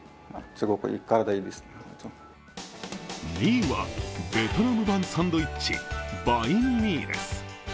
２位はベトナム版サンドイッチ、バインミーです。